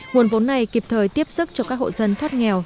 nguồn vốn này kịp thời tiếp sức cho các hộ dân thoát nghèo